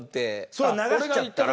それを流しちゃったら。